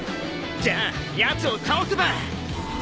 じゃあやつを倒せば。